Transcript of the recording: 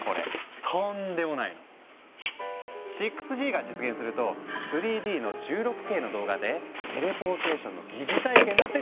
６Ｇが実現すると３Ｄの１６Ｋの動画でテレポーテーションの擬似体験だってできちゃう！